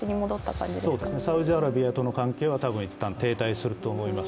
そうですね、サウジアラビアとの関係は一旦停滞すると思います。